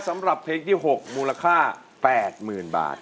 สำหรับเพลงที่๖มูลค่า๘๐๐๐บาท